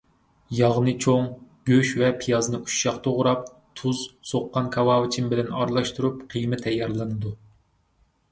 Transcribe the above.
ياغنى چوڭ، گۆش ۋە پىيازنى ئۇششاق توغراپ، تۇز، سوققان كاۋاۋىچىن بىلەن ئارىلاشتۇرۇپ قىيما تەييارلىنىدۇ.